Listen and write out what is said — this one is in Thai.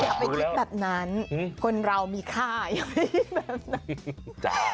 อย่าไปคิดแบบนั้นคนเรามีค่าอย่าไปคิดแบบไหน